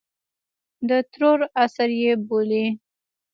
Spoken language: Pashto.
د ترور عصر یې بولي.